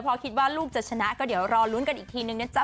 พอคิดว่าลูกจะชนะก็เดี๋ยวรอนรุนกันอีกทีหนึ่งเนี้ยจ๊ะ